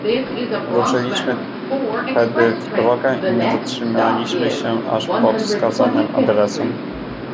"Ruszyliśmy tedy w drogę i nie zatrzymaliśmy się, aż pod wskazanym adresem."